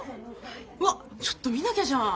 うわっちょっと見なきゃじゃん。